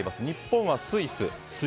日本はスイス。